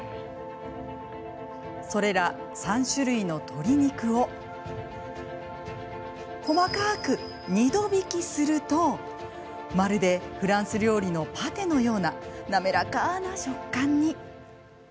それら３種類の鶏肉を細かく２度びきするとまるでフランス料理のパテのような滑らかな食感に。